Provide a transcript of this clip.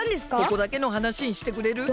ここだけのはなしにしてくれる？